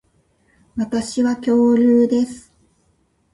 私は恐竜です